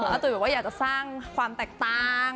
ตุ๋ยบอกว่าอยากจะสร้างความแตกต่าง